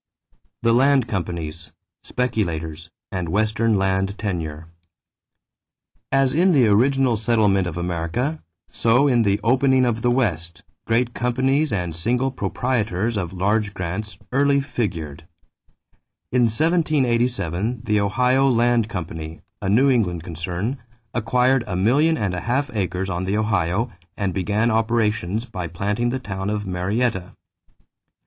=The Land Companies, Speculators, and Western Land Tenure.= As in the original settlement of America, so in the opening of the West, great companies and single proprietors of large grants early figured. In 1787 the Ohio Land Company, a New England concern, acquired a million and a half acres on the Ohio and began operations by planting the town of Marietta.